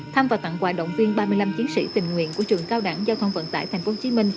thăm và tặng quà động viên ba mươi năm chiến sĩ tình nguyện của trường cao đẳng giao thông vận tải tp hcm